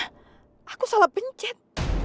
hah aku salah pencet